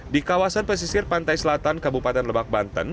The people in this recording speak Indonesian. di kawasan pesisir pantai selatan kabupaten lebak banten